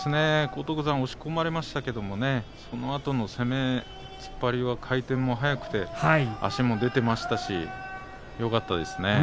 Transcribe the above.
荒篤山も押し込まれましたけどそのあとの攻め突っ張りの回転も速くて足も出ていましたしよかったですね。